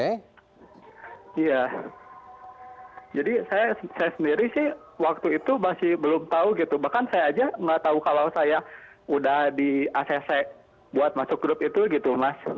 iya jadi saya sendiri sih waktu itu masih belum tahu gitu bahkan saya aja nggak tahu kalau saya udah di acc buat masuk grup itu gitu mas